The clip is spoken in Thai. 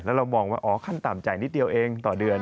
แล้วเรามองว่าอ๋อขั้นต่ำจ่ายนิดเดียวเองต่อเดือน